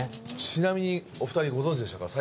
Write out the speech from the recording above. ちなみにお二人ご存じでしたか？